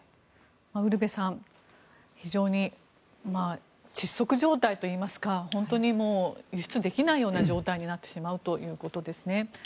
ウルヴェさん非常に窒息状態といいますか本当に輸出できないような状態になってしまうということですね。